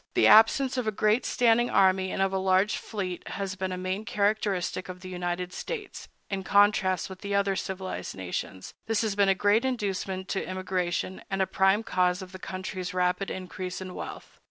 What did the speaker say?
The absence of a great standing army and of a large fleet has been a main characteristic of the United States, in contrast with the other civilized nations; this has been a great inducement to immigration, and a prime cause of the country's rapid increase in wealth.